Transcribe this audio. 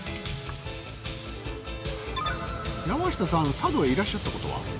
佐渡へいらっしゃったことは？